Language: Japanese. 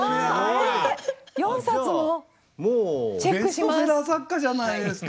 ベストセラー作家じゃないですか。